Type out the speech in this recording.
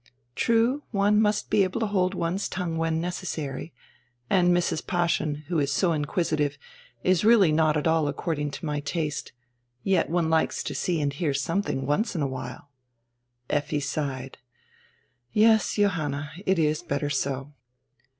True, one must be able to hold one's tongue when necessary, and Mrs. Paaschen, who is so inquisitive, is really not at all according to my taste. Yet one likes to see and hear something once in a while." Effi sighed. "Yes, Johanna, it is better so."